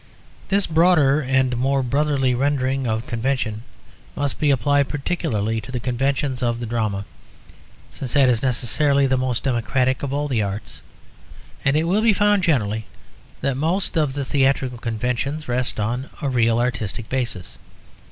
This broader and more brotherly rendering of convention must be applied particularly to the conventions of the drama; since that is necessarily the most democratic of all the arts. And it will be found generally that most of the theatrical conventions rest on a real artistic basis.